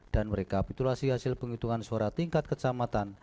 dan rekapitulasi hasil penghitungan suara tingkat kecamatan